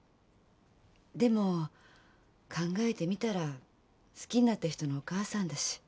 でも考えてみたら好きになった人のお母さんだし